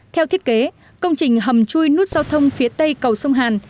theo thiết kế công trình hầm chui nút giao thông phía tây cầu sông hàn